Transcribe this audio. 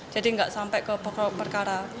jadi tidak sampai ke pokok perkara